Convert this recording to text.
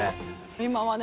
今はね